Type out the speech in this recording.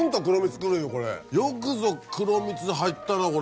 よくぞ黒蜜入ったなこれ。